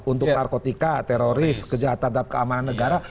untuk narkotika teroris kejahatan dan keamanan negara